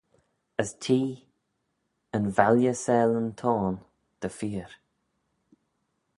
As t'ee, yn valley s'aalin t'ayn, dy feer.